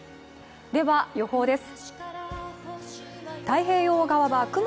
では、予報です。